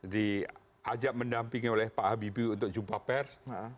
diajak mendampingi oleh pak habibie untuk jumpa pers